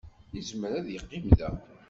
Yezmer ad yeqqim da.